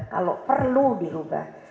kalau perlu dirubah